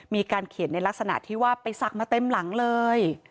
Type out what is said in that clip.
มีการเขียนในลักษณะที่ว่าไปศักดิ์มาเต็มหลังเลย